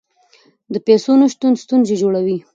د پیسو نشتون ستونزې جوړوي.